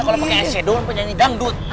kalau pakai ac doang panjang hidang dud